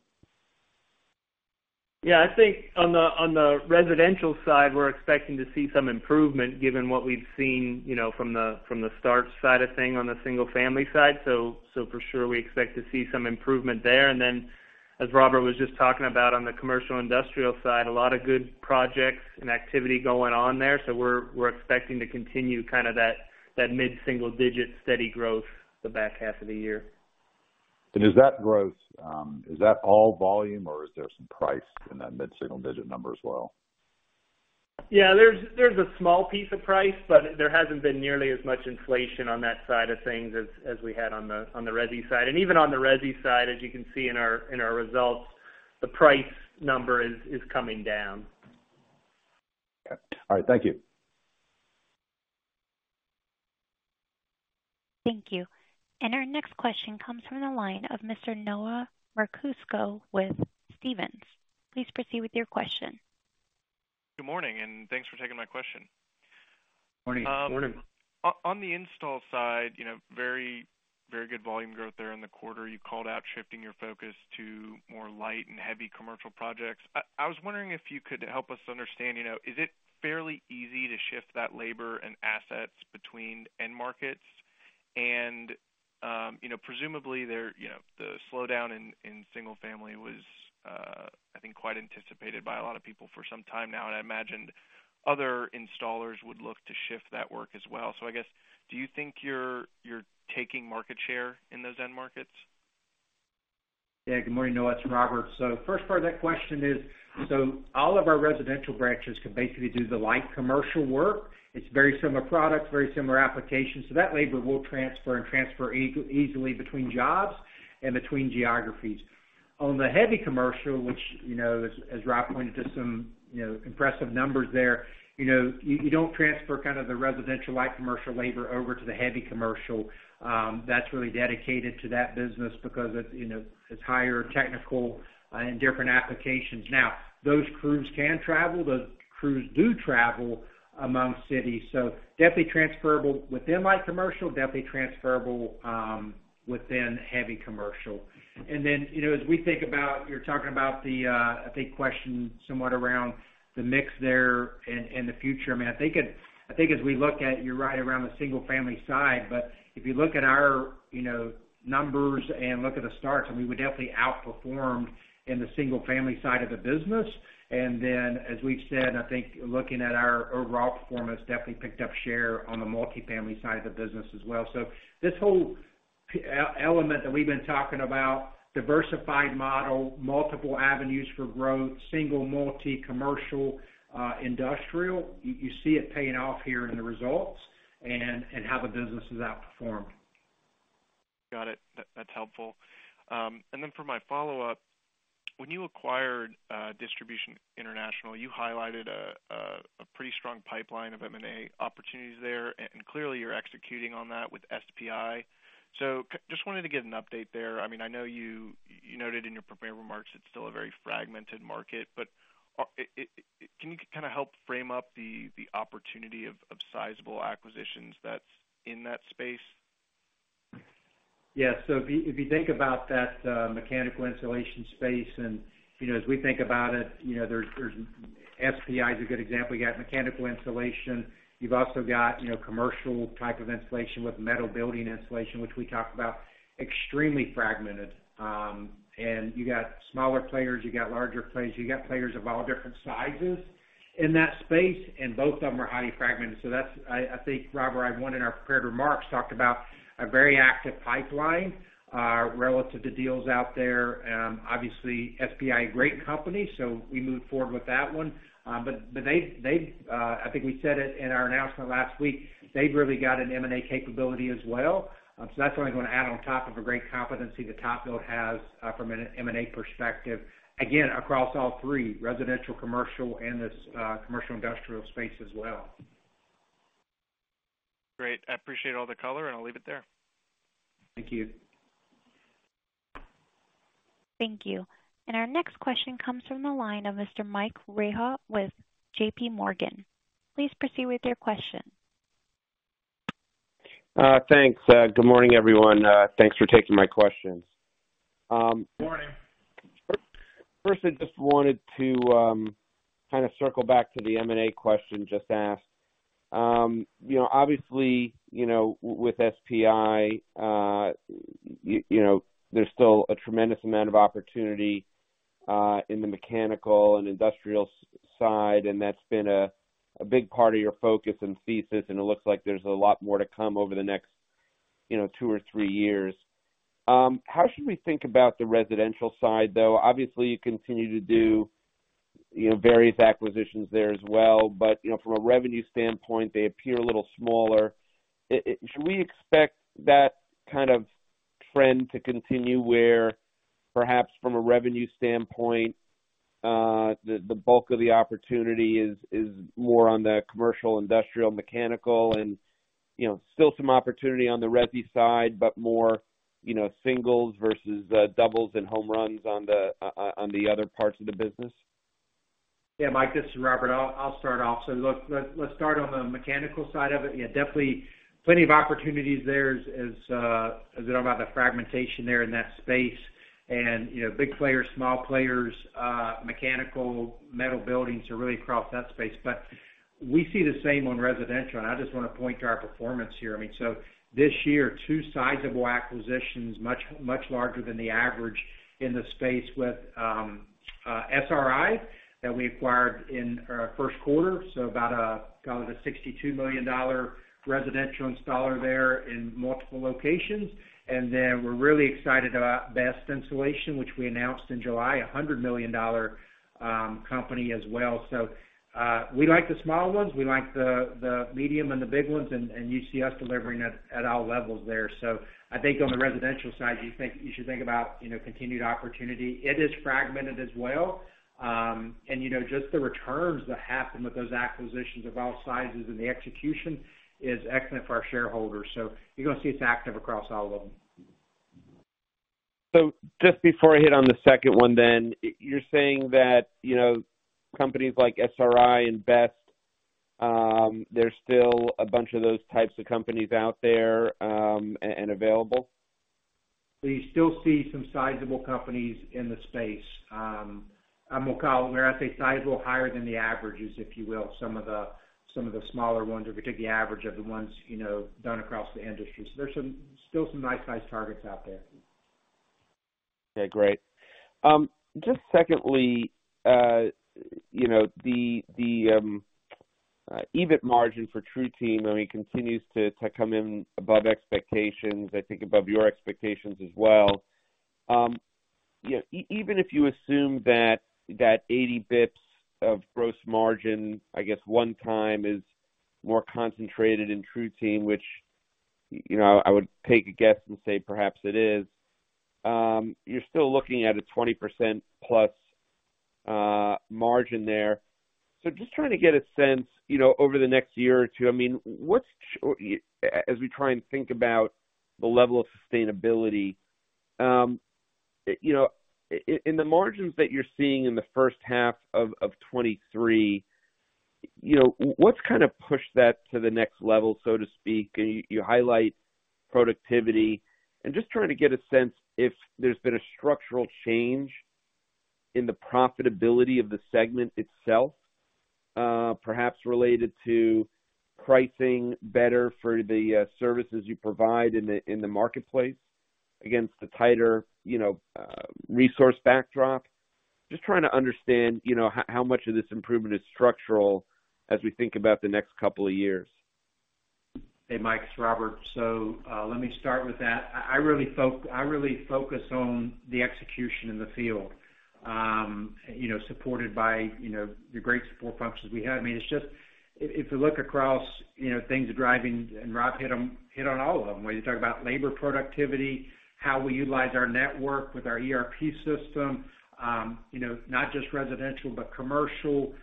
Yeah, I think on the, on the residential side, we're expecting to see some improvement given what we've seen, you know, from the, from the start side of things on the single-family side. For sure, we expect to see some improvement there. Then, as Robert was just talking about on the commercial industrial side, a lot of good projects and activity going on there. We're, we're expecting to continue kind of that, that mid-single digit steady growth the back half of the year. Is that growth, is that all volume or is there some price in that mid-single digit number as well? Yeah, there's, there's a small piece of price. There hasn't been nearly as much inflation on that side of things as, as we had on the, on the resi side. Even on the resi side, as you can see in our, in our results, the price number is, is coming down. Okay. All right, thank you. Thank you. Our next question comes from the line of Mr. Noah Marcuse with Stephens. Please proceed with your question. Good morning. Thanks for taking my question. Morning. Morning. On, on the install side, you know, very, very good volume growth there in the quarter. You called out shifting your focus to more light and heavy commercial projects. I was wondering if you could help us understand, you know, is it fairly easy to shift that labor and assets between end markets? Presumably there, you know, the slowdown in, in single-family was, I think, quite anticipated by a lot of people for some time now, and I imagine other installers would look to shift that work as well. I guess, do you think you're, you're taking market share in those end markets? Yeah. Good morning, Noah, it's Robert. First part of that question is, so all of our residential branches can basically do the light commercial work. It's very similar products, very similar applications. That labor will transfer and transfer easily between jobs and between geographies. On the heavy commercial, which, you know, as, as Rob pointed to some, you know, impressive numbers there, you know, you, you don't transfer kind of the residential light commercial labor over to the heavy commercial. That's really dedicated to that business because it's, you know, it's higher technical and different applications. Now, those crews can travel, those crews do travel among cities, so definitely transferable within light commercial, definitely transferable within heavy commercial. Then, you know, as we think about, you're talking about the question somewhat around the mix there in the future. I mean I think as we look at, you're right around the single-family side, but if you look at our, you know, numbers and look at the starts, and we would definitely outperformed in the single-family side of the business. Then, as we've said, I think looking at our overall performance, definitely picked up share on the multifamily side of the business as well. This whole element that we've been talking about, diversified model, multiple avenues for growth, single, multi, commercial, industrial, you, you see it paying off here in the results and, and how the business is outperformed. Got it. That, that's helpful. For my follow-up, when you acquired Distribution International, you highlighted a pretty strong pipeline of M&A opportunities there, and clearly, you're executing on that with SPI. Just wanted to get an update there. I mean, I know you, you noted in your prepared remarks it's still a very fragmented market, but can you kind of help frame up the opportunity of, of sizable acquisitions that's in that space? Yeah. If you, if you think about that, mechanical insulation space, and, you know, as we think about it, you know, SPI is a good example. You got mechanical insulation. You've also got, you know, commercial type of insulation with metal building insulation, which we talked about, extremely fragmented. You got smaller players, you got larger players, you got players of all different sizes in that space, and both of them are highly fragmented. That's, I think Robert, in our prepared remarks, talked about a very active pipeline, relative to deals out there. Obviously, SPI, a great company, so we moved forward with that one. They've, I think we said it in our announcement last week, they've really got an M&A capability as well. That's only going to add on top of a great competency that TopBuild has, from an M&A perspective, again, across all three, residential, commercial, and this, commercial industrial space as well. Great. I appreciate all the color. I'll leave it there. Thank you. Thank you. Our next question comes from the line of Mike Rehaut with JPMorgan. Please proceed with your question. Thanks. Good morning, everyone. Thanks for taking my questions. Good morning. First, I just wanted to kind of circle back to the M&A question just asked. You know, obviously, you know, with SPI, you know, there's still a tremendous amount of opportunity in the mechanical and industrial side, and that's been a big part of your focus and thesis, and it looks like there's a lot more to come over the next, you know, two or three years. How should we think about the residential side, though? Obviously, you continue to do, you know, various acquisitions there as well, but, you know, from a revenue standpoint, they appear a little smaller. Should we expect that kind of trend to continue, where perhaps from a revenue standpoint, the bulk of the opportunity is more on the commercial, industrial, mechanical, and you know, still some opportunity on the resi side, but more, you know, singles versus, doubles and home runs on the, on the other parts of the business? Yeah, Mike, this is Robert. I'll start off. Look, let's, let's start on the mechanical side of it. Yeah, definitely plenty of opportunities there as I talk about the fragmentation there in that space. You know, big players, small players, mechanical, metal buildings are really across that space. We see the same on residential, and I just want to point to our performance here. I mean, so this year, two sizable acquisitions, much, much larger than the average in the space with SRI, that we acquired in our first quarter, so about, call it a $62 million residential installer there in multiple locations. Then we're really excited about Best Insulation, which we announced in July, a $100 million company as well. We like the small ones, we like the, the medium and the big ones, and, and you see us delivering at, at all levels there. I think on the residential side, you should think about, you know, continued opportunity. It is fragmented as well. You know, just the returns that happen with those acquisitions of all sizes and the execution is excellent for our shareholders. You're going to see us active across all of them. Just before I hit on the second one then, you're saying that, you know, companies like SRI and Best, there's still a bunch of those types of companies out there, and available? We still see some sizable companies in the space. I'm okay, when I say sizable, higher than the averages, if you will, some of the, some of the smaller ones, if you take the average of the ones, you know, done across the industry. There's still some nice size targets out there. Okay, great. Just secondly, you know, the, the EBIT margin for TruTeam, I mean, continues to come in above expectations, I think above your expectations as well. Even if you assume that, that 80 basis points of gross margin, I guess, one time is more concentrated in TruTeam, which, you know, I would take a guess and say perhaps it is, you're still looking at a 20% plus margin there. Just trying to get a sense, you know, over the next year or two, I mean, what's as we try and think about the level of sustainability, you know, in the margins that you're seeing in the first half of 2023, you know, what's kind of pushed that to the next level, so to speak? You highlight productivity, and just trying to get a sense if there's been a structural change in the profitability of the segment itself, perhaps related to pricing better for the services you provide in the marketplace against a tighter, you know, resource backdrop? Just trying to understand, you know, how much of this improvement is structural as we think about the next couple of years? Hey, Mike, it's Robert. Let me start with that. I really focus on the execution in the field, you know, supported by, you know, the great support functions we have. I mean, it's just If you look across, you know, things driving, and Rob hit on all of them, whether you talk about labor productivity, how we utilize our network with our ERP system, you know, not just residential, but commercial.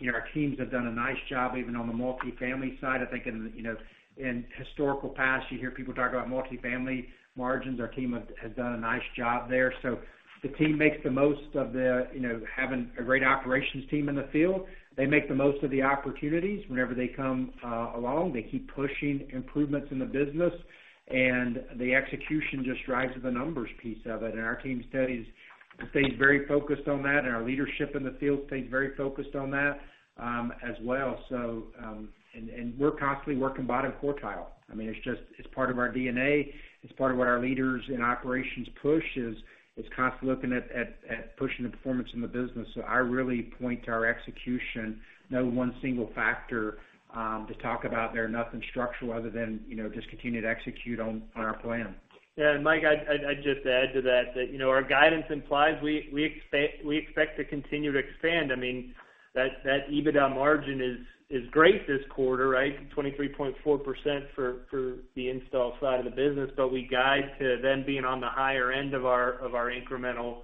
You know, our teams have done a nice job, even on the multifamily side. I think in, you know, in historical past, you hear people talk about multifamily margins. Our team has done a nice job there. The team makes the most of the, you know, having a great operations team in the field. They make the most of the opportunities whenever they come along. They keep pushing improvements in the business, and the execution just drives the numbers piece of it. Our team stays very focused on that, and our leadership in the field stays very focused on that, as well. We're constantly working bottom quartile. I mean, it's just, it's part of our DNA. It's part of what our leaders in operations push, is constantly looking at pushing the performance in the business. I really point to our execution. No one single factor, to talk about there, nothing structural other than, you know, just continue to execute on our plan. Yeah, Mike, I'd just add to that, that, you know, our guidance implies we expect to continue to expand. I mean, that, that EBITDA margin is, is great this quarter, right? 23.4% for, for the install side of the business, but we guide to then being on the higher end of our incremental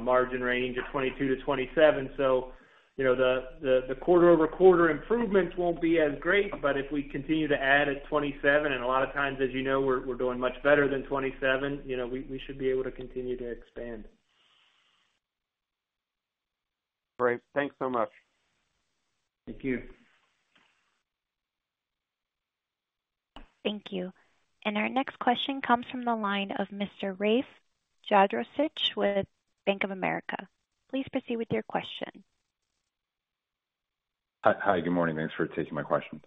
margin range of 22%-27%. You know, the, the quarter-over-quarter improvements won't be as great, but if we continue to add at 27, and a lot of times, as you know, we're, we're doing much better than 27, you know, we, we should be able to continue to expand. Great. Thanks so much. Thank you. Thank you. Our next question comes from the line of Mr. Rafe Jadrosich with Bank of America. Please proceed with your question. Hi, good morning. Thanks for taking my question.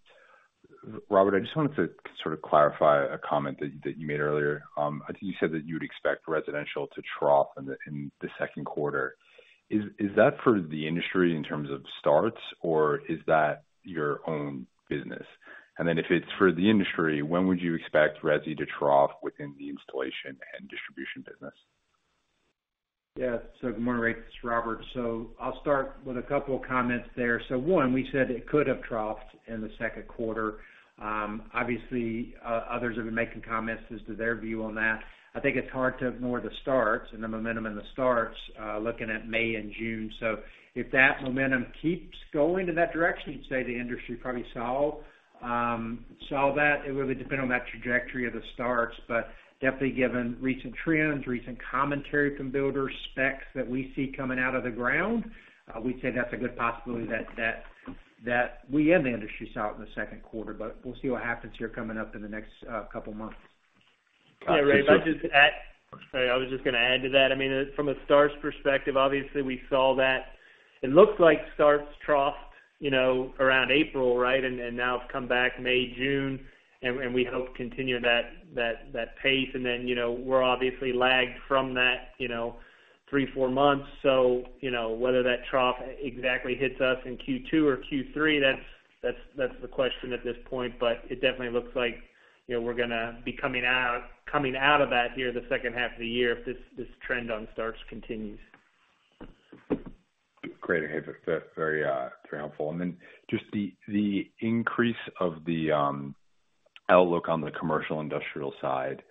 Robert, I just wanted to sort of clarify a comment that, that you made earlier. I think you said that you would expect residential to trough in the, in the second quarter. Is, is that for the industry in terms of starts, or is that your own business? Then if it's for the industry, when would you expect resi to trough within the installation and distribution business? Yeah. Good morning, Raif. This is Robert. I'll start with a couple of comments there. One, we said it could have troughed in the second quarter. Obviously, others have been making comments as to their view on that. I think it's hard to ignore the starts and the momentum in the starts, looking at May and June. If that momentum keeps going in that direction, you'd say the industry probably saw, saw that. It would really depend on that trajectory of the starts, but definitely given recent trends, recent commentary from builders, specs that we see coming out of the ground, we'd say that's a good possibility that, that, that we and the industry saw it in the second quarter, but we'll see what happens here coming up in the next, couple months. Yeah, Raif, if I could just add. Sorry, I was just gonna add to that. I mean, from a starts perspective, obviously, we saw that it looked like starts troughed, you know, around April, right? Now it's come back May, June, and, and we hope to continue that pace. Then, you know, we're obviously lagged from that, you know, three, four months. You know, whether that trough exactly hits us in Q2 or Q3, that's, that's, that's the question at this point, but it definitely looks like, you know, we're gonna be coming out, coming out of that here the second half of the year, if this, this trend on starts continues. Great. Hey, that's very, very helpful. Then just the increase of the outlook on the commercial industrial side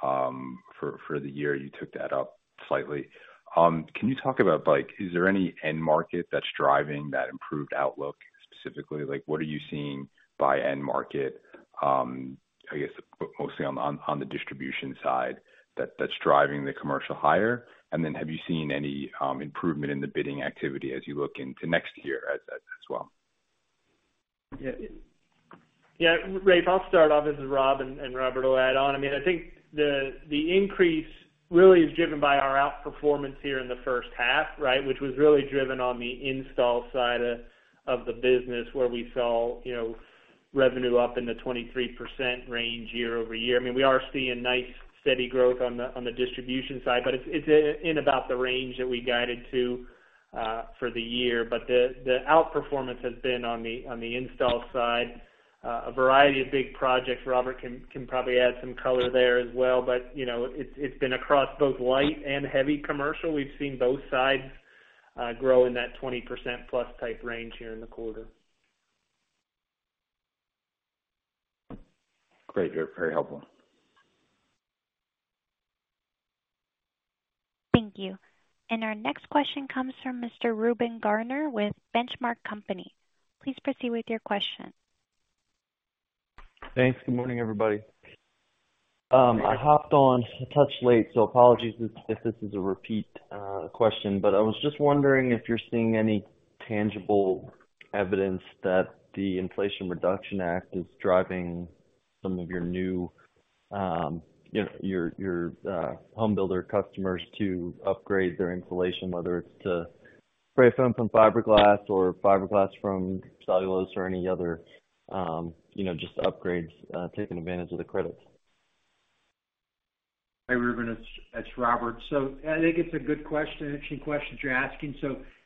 for the year, you took that up slightly. Can you talk about, like, is there any end market that's driving that improved outlook specifically? Like, what are you seeing by end market, I guess, mostly on the distribution side, that's driving the commercial higher? Then have you seen any improvement in the bidding activity as you look into next year as well? Yeah. Yeah, Raif, I'll start off, this is Rob, and, and Robert will add on. I mean, I think the increase really is driven by our outperformance here in the first half, right? Which was really driven on the install side of the business, where we saw, you know, revenue up in the 23% range year-over-year. I mean, we are seeing nice, steady growth on the distribution side, but it's, it's in about the range that we guided to for the year. The outperformance has been on the install side. A variety of big projects, Robert can, can probably add some color there as well, but, you know, it's, it's been across both light and heavy commercial. We've seen both sides grow in that 20%+ type range here in the quarter. Great. Very helpful. Thank you. Our next question comes from Mr. Reuben Garner with Benchmark Company. Please proceed with your question. Thanks. Good morning, everybody. I hopped on a touch late, so apologies if this is a repeat, question, but I was just wondering if you're seeing any tangible evidence that the Inflation Reduction Act is driving some of your new, you know, your, your home builder customers to upgrade their insulation, whether it's to spRaif foam from fiberglass or fiberglass from cellulose or any other, you know, just upgrades, taking advantage of the credits? Hi, Reuben, it's Robert. I think it's a good question, interesting question you're asking.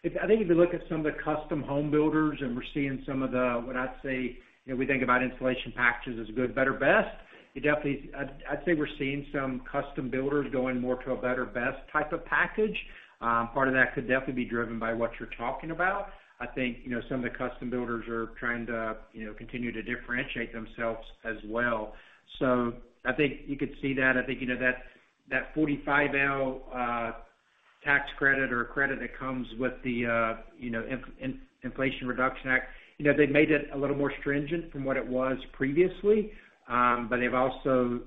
If I think if you look at some of the custom home builders, and we're seeing some of the, what I'd say, you know, we think about insulation packages as good, better, best, you definitely, I'd say we're seeing some custom builders going more to a better, best type of package. Part of that could definitely be driven by what you're talking about. I think, you know, some of the custom builders are trying to, you know, continue to differentiate themselves as well. I think you could see that. I think, you know, that, that 45 L tax credit or credit that comes with the, you know, Inflation Reduction Act, you know, they've made it a little more stringent from what it was previously, but they've also,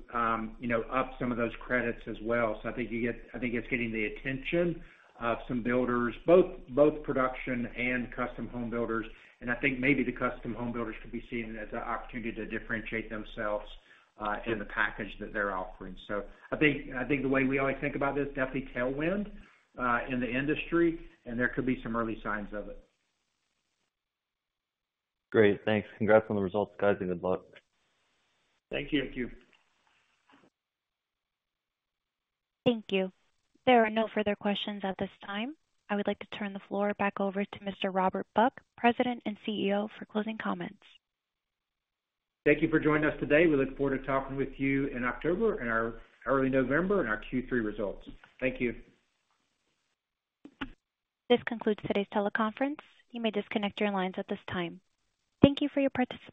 you know, upped some of those credits as well. I think it's getting the attention of some builders, both, both production and custom home builders. I think maybe the custom home builders could be seeing it as an opportunity to differentiate themselves in the package that they're offering. I think, I think the way we always think about this, definitely tailwind in the industry, and there could be some early signs of it. Great. Thanks. Congrats on the results, guys, and good luck. Thank you. Thank you. Thank you. There are no further questions at this time. I would like to turn the floor back over to Mr. Robert Buck, President and CEO, for closing comments. Thank you for joining us today. We look forward to talking with you in October and our early November in our Q3 results. Thank you. This concludes today's teleconference. You may disconnect your lines at this time. Thank you for your participation.